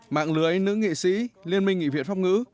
mạng lưới nữ nghị sĩ liên minh nghị viện pháp ngữ